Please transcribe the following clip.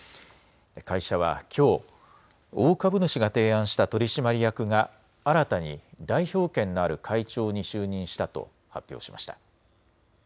会社はきょう、大株主が提案した取締役が新たに代表権のある会長に就任したと発表しました。